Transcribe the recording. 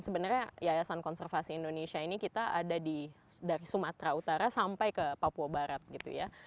sebenarnya yayasan konservasi indonesia ini kita ada dari sumatera utara sampai ke papua barat gitu ya